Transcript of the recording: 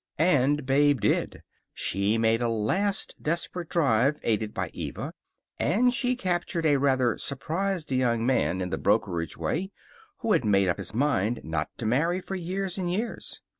And Babe did. She made a last desperate drive, aided by Eva, and she captured a rather surprised young man in the brokerage way, who had made up his mind not to marry for years and years.